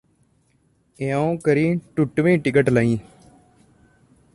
ਐਓਂ ਕਰੀਂ ਟੁਟਵੀਂ ਟਿਕਟ ਲਈਂ